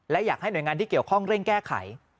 และอยากให้หน่วยงานที่เกี่ยวข้องเร่งแก้ไข